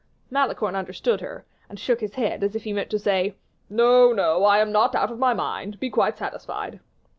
Malicorne understood her, and shook his head, as if he meant to say, "No, no, I am not out of my mind; be quite satisfied."